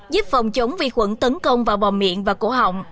giúp phòng chống vi khuẩn tấn công vào bò miệng và cổ họng